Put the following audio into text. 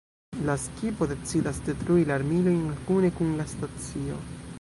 La skipo decidas detrui la armilojn kune kun la stacio.